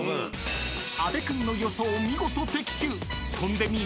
［阿部君の予想見事的中］